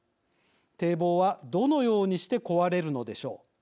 堤防はどのようにして壊れるのでしょう。